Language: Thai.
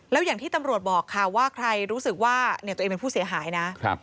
แล้วอย่างที่ตำรวจบอกค่ะว่าใครรู้สึกว่าตัวเองเป็นผู้เสียหายนะ